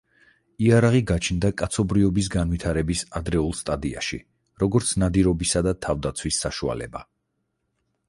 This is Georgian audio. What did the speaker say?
იარაღი გაჩნდა კაცობრიობის განვითარების ადრეულ სტადიაში, როგორც ნადირობისა და თავდაცვის საშუალება.